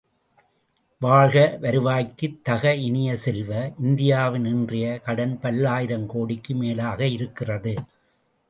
வாழ்க, வருவாய்க்குத் தக இனிய செல்வ, இந்தியாவின் இன்றைய கடன் பல்லாயிரம் கோடிக்கும் மேலாக இருக்கிறது.